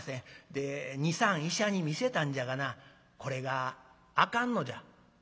で２３医者に診せたんじゃがなこれがあかんのじゃ」。